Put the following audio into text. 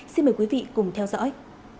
xin mời quý vị cùng theo dõi